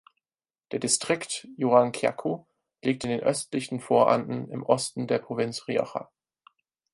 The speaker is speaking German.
Der Distrikt Yuracyacu liegt in den östlichen Voranden im Osten der Provinz Rioja.